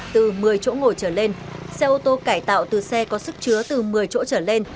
từ một mươi chỗ ngồi trở lên xe ô tô cải tạo từ xe có sức chứa từ một mươi chỗ trở lên